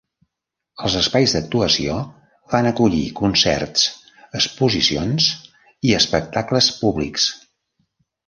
Els espais d'actuació van acollir concerts, exposicions i espectacles públics.